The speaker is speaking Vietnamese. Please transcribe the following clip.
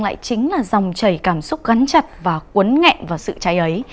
lại chính là dòng chảy cảm xúc gắn chặt và cuốn nghẹn vào sự cháy ấy